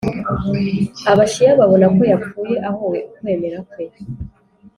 abashiya babona ko yapfuye ahowe ukwemera kwe